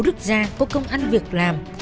vũ đức giang có công ăn việc làm